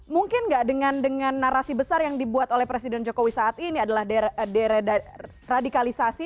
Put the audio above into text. mungkin nggak dengan narasi besar yang dibuat oleh presiden jokowi saat ini adalah deradikalisasi